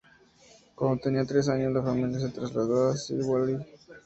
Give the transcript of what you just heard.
Cuando tenía tres años, la familia se trasladó a Šiauliai.